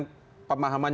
pemahaman yang anda jadikan